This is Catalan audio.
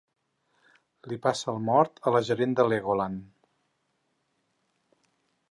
Li passa el mort a la gerent de Legoland.